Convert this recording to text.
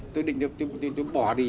tôi định bỏ đi